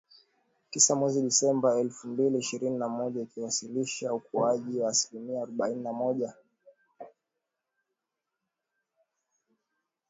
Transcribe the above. Tisa mwezi Disemba elfu mbili ishirini na moja, ikiwasilisha ukuaji wa asilimia arobaini na moja